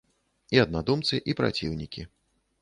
І аднадумцы, і праціўнікі.